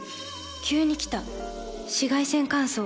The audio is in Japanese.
急に来た紫外線乾燥。